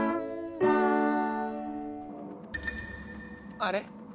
あれ？